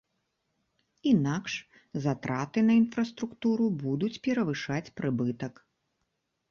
Інакш затраты на інфраструктуру будуць перавышаць прыбытак.